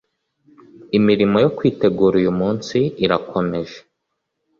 Imirimo yo kwitegura uyu munsi irakomeje